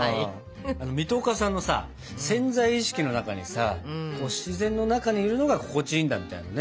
水戸岡さんのさ潜在意識の中にさ自然の中にいるのが心地いいんだみたいなね。